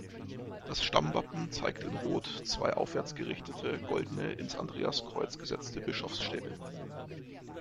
Das Stammwappen zeigt in Rot zwei aufwärts gerichtete goldene ins Andreaskreuz gesetzte Bischofsstäbe.